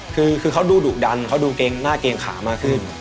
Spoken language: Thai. คือเขาดูดุดันเขาดูเกรงหน้าเกรงขามากขึ้น